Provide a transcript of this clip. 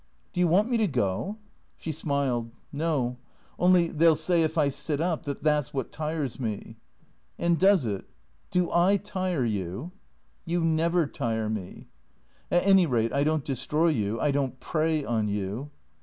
" Do you want me to go ?" She smiled. " ISTo. Only — they '11 say, if I sit up, that that 's what tires me." " And does it ? Do 7 tire you ?"" You never tire me." " At any rat3 I don't destroy you ; I don't prey on you."